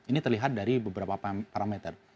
ini terlihat dari beberapa parameter